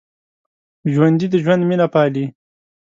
ژوندي د ژوند مینه پالي